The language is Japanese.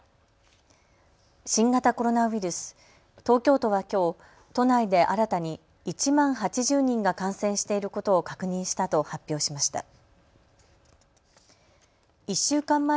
新型コロナウイルス、東京都はきょう都内で新たに１万８０人が感染していることを確認したと発表しました。